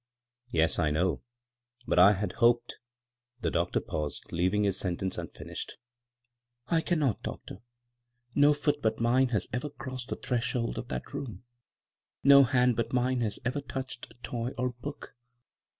" Yes, I know ; but 1 had hoped " the doctor paused, leaving his sentence unfin ished. " I cannot, doctor. No foot but mine has ever crossed the threshold of that room. No hand but mine has ever touched toy or book.